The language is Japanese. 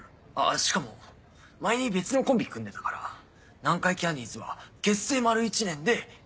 しかも前に別のコンビ組んでたから南海キャンディーズは結成丸１年で決勝。